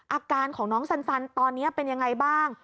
อาการของน้องสันตอนนี้เป็นยังไงบ้าง